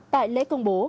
tại lễ công bố